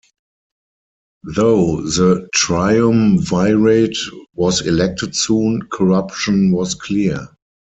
Though the Triumvirate was elected soon, corruption was clear.